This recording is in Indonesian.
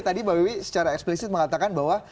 tadi mbak wiwi secara eksplisit mengatakan bahwa